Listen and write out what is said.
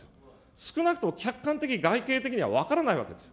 少なくとも客観的、外形的には分からないわけですよ。